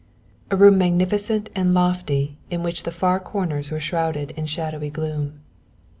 A room magnificent and lofty in which the far corners were shrouded in shadowy gloom.